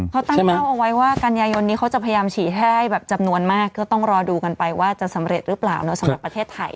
เขาตั้งเป้าเอาไว้ว่ากันยายนนี้เขาจะพยายามฉีดให้แบบจำนวนมากก็ต้องรอดูกันไปว่าจะสำเร็จหรือเปล่าสำหรับประเทศไทย